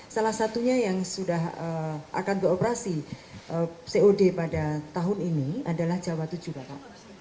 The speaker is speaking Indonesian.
salah satunya yang sudah akan beroperasi cod pada tahun ini adalah jawa tujuh bapak